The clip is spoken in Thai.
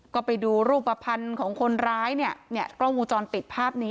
ก็ไปดูรูปภัณฑ์ของคนร้ายเนี่ยกล้องวงจรปิดภาพนี้